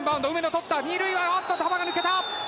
捕った２塁はあっと球が抜けた！